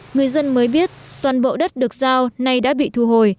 người dân mới biết toàn bộ đất được giao nay đã bị thu hồi